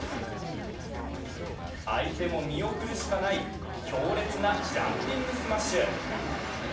相手も見送るしかない強烈なジャンピングスマッシュ。